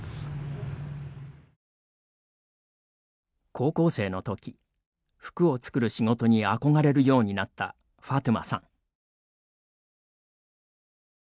高校生のとき服を作る仕事に憧れるようになったファトゥマさん。